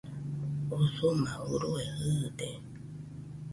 Usuma urue jɨɨde